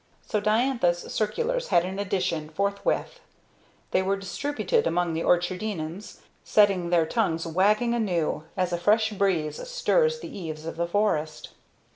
So Diantha's circulars had an addition, forthwith. These were distributed among the Orchardinians, setting their tongues wagging anew, as a fresh breeze stirs the eaves of the forest.